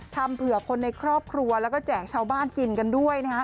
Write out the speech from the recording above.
ทำเผื่อคนในครอบครัวแล้วก็แจกชาวบ้านกินกันด้วยนะฮะ